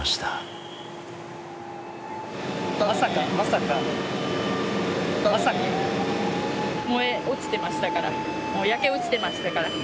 燃え落ちてましたからもう焼け落ちてましたから。